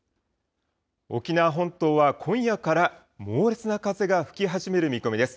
沖縄本島は、今夜から猛烈な風が吹き始める見込みです。